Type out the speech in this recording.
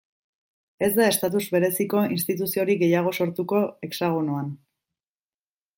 Ez da estatus bereziko instituziorik gehiago sortuko Hexagonoan.